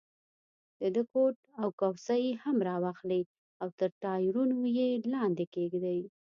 د ده کوټ او کوسۍ هم را واخلئ او تر ټایرونو یې لاندې کېږدئ.